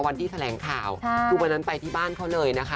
วันที่แถลงข่าวคือวันนั้นไปที่บ้านเขาเลยนะคะ